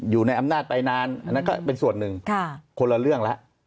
อยู่ในอำนาจไปนานอันนั้นก็เป็นส่วนหนึ่งคนละเรื่องแล้ว